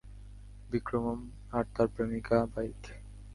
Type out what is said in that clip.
বিক্রম আর তার প্রেমিকা বাইক!